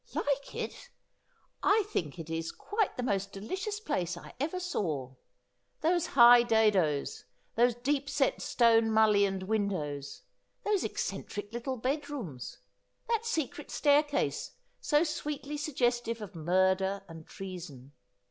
' Like it ! I think it is quite the most delicious place I ever saw. Those high dadoes ; these deep set stoue mullioned win dows ; those eccentric little bad rooms ; that secret staircase, so sweetly suggestive of murder and treason.